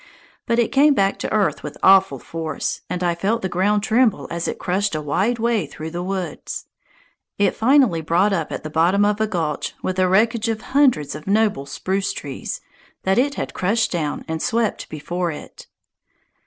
But it came back to earth with awful force, and I felt the ground tremble as it crushed a wide way through the woods. It finally brought up at the bottom of a gulch with a wreckage of hundreds of noble spruce trees that it had crushed down and swept before it.